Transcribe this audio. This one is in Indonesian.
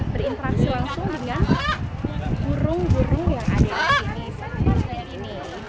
berinteraksi langsung dengan burung burung yang ada di sini